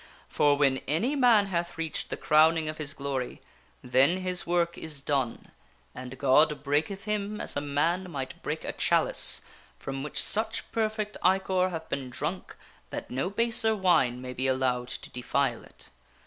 For when any man hath reached the crowning of his glory, then his work is done and God breaketh him as a man might break a chalice from which such perfect ichor hath been drunk that no baser wine may be allowed to defile it.